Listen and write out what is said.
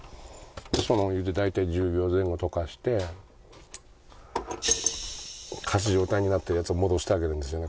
そのお湯で大体１０秒前後溶かして仮死状態になってるやつを戻してあげるんですよね